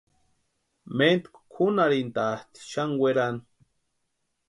Méntku kʼunharhintʼatʼi xani werani.